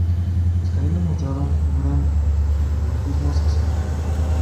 Los caninos mostraban un gran dimorfismo sexual.